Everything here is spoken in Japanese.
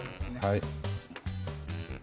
はい。